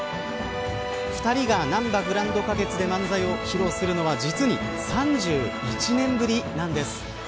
２人が、なんばグランド花月で漫才を披露するのは実に３１年ぶりなんです。